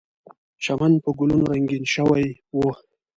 چمن په ګلونو رنګین شوی و.